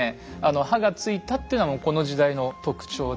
刃がついたっていうのはもうこの時代の特徴で。